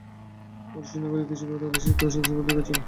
ফরাসি নাগরিক হিসেবে তাদের শিক্ষা ও স্বাস্থ্যসেবার অধিকার ছিল।